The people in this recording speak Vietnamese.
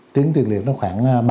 tiến tiền liệt là khoảng ba mươi